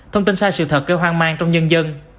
thông tin sai sự thật gây hoang mang trong nhân dân